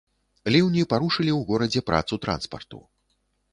Ліўні парушылі ў горадзе працу транспарту.